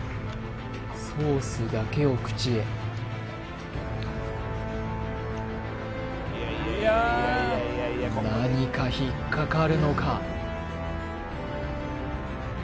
ソースだけを口へ何か引っかかるのか？